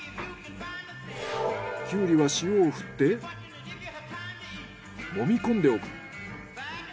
キュウリは塩をふって揉み込んでおく。